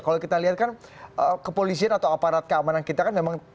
kalau kita lihat kan kepolisian atau aparat keamanan kita kan memang